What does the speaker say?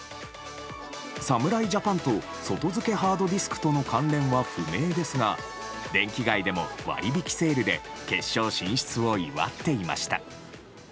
侍ジャパンと外付けハードディスクとの関連は不明ですが電気街でも割引セールで決勝進出を祝っていました。